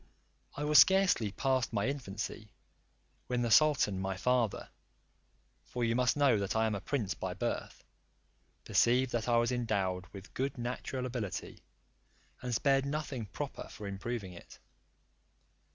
I was scarcely past my infancy, when the sultan my father (for you must know I am a prince by birth) perceived that I was endowed with good natural ability, and spared nothing proper for improving it.